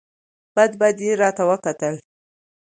بد بد یې راته وکتل !